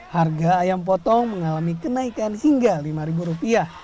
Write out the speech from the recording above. harga ayam potong mengalami kenaikan hingga rp lima